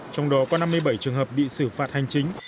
trong đó có năm mươi bảy trường hợp bị xử phạt hành chính